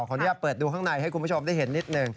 อนุญาตเปิดดูข้างในให้คุณผู้ชมได้เห็นนิดหนึ่ง